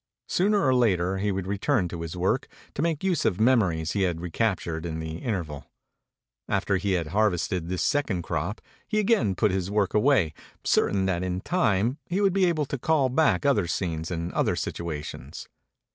Sooner or later he would return to his work to make use of memories he had recaptured in the interval. After he had harvested this second crop, he again put his work away, cer tain that in time he would be able to call back other scenes and other situations.